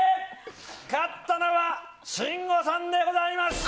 勝ったのは信五さんでございました！